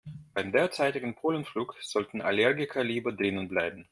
Beim derzeitigen Pollenflug sollten Allergiker lieber drinnen bleiben.